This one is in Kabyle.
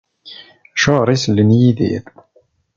Acuɣer i sellen i Yidir?